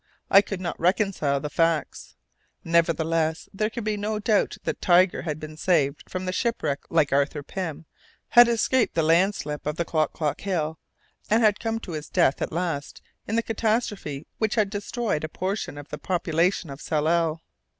I could not reconcile the facts. Nevertheless, there could be no doubt that Tiger had been saved from the shipwreck like Arthur Pym, had escaped the landslip of the Klock Klock hill, and had come to his death at last in the catastrophe which had destroyed a portion of the population of Tsalal.